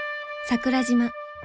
桜島。